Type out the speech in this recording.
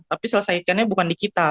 tapi selesaikannya bukan di kita